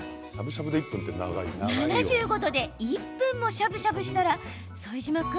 ７５度で１分もしゃぶしゃぶしたら副島君